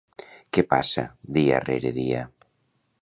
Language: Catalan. Què passa dia rere dia?